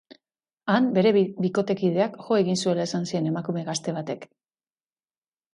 Han, bere bikotekideak jo egin zuela esan zien emakume gazte batek.